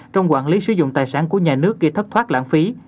trong quản lý sử dụng tài sản của nhà nước gây thất thoát lãng phí